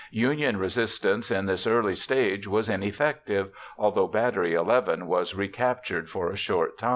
Union resistance in this early stage was ineffective, although Battery XI was recaptured for a short time.